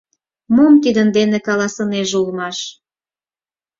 Мом тидын дене каласынеже улмаш?